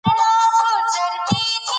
د مشبه د حال بیان ته د تشبېه غرض وايي.